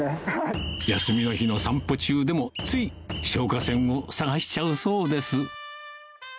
休みの日の散歩中でもつい消火栓を探しちゃうそうです